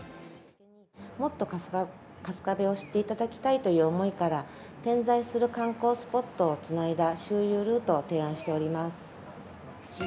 もっと春日部を知っていただきたいという思いから、点在する観光スポットをつないだ周遊ルートを提案しております。